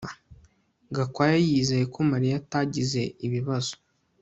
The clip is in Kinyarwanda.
Gakwaya yizeye ko Mariya atagize ibibazo